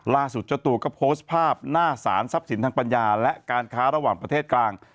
เจ้าตัวก็โพสต์ภาพหน้าสารทรัพย์สินทางปัญญาและการค้าระหว่างประเทศกลาง